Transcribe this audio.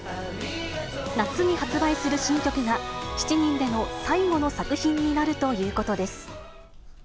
夏に発売する新曲が７人での最後の作品になるということです。